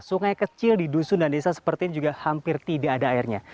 sungai kecil di dusun dan desa seperti ini juga hampir tidak ada airnya